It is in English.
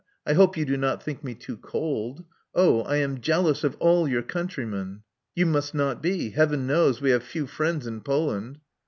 I hope yon do not think me too cold. Oh, I am jealous of aU yonr countrymen !'• ''Yon ne^ not be^ Heaven koowsl We have fev friends in Poland.'